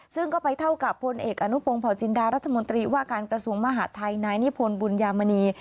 ซึ่งก็ไปเท่ากับพลเอกอนุพงศ์เผาจินดารัฐมนตรีว่าการกระทรวงมหาดไทยนายนิพนธ์บุญยามณี